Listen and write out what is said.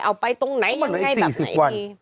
เอาไปตรงไหนยังไงแบบไหนดี